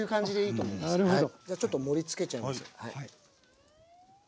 じゃあちょっと盛りつけちゃいます。